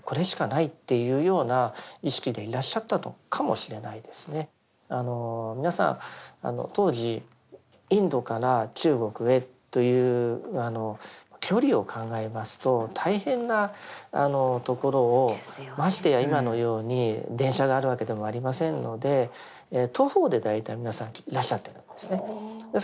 それはやはり皆さん当時インドから中国へという距離を考えますと大変なところをましてや今のように電車があるわけでもありませんので徒歩で大体皆さんいらっしゃってたんですね。